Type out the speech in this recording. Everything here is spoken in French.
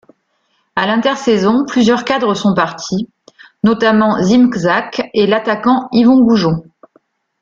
À l'intersaison, plusieurs cadres sont partis, notamment Ziemczak et l'attaquant Yvon Goujon.